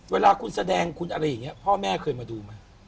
เวลาคุณแสดงคุณอะไรอย่างนี้พ่อแม่เคยมาดูไหม